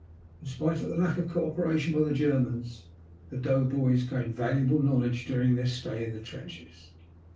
In spite of the lack of co operation by the Germans, the doughboys gained valuable knowledge during their stay in the trenches.